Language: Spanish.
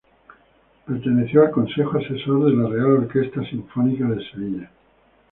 Perteneció al Consejo Asesor de la Real Orquesta Sinfónica de Sevilla.